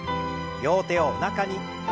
両手をおなかに。